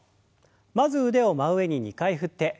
まず腕を真上に２回振って。